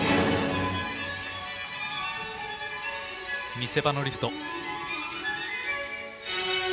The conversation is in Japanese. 見せ場のリフト。